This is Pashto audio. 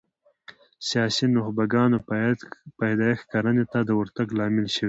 سیاسي نخبګانو پیدایښت کرنې ته د ورتګ لامل شوي